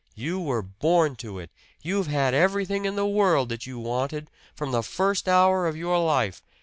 You were born to it you've had everything in the world that you wanted, from the first hour of your life.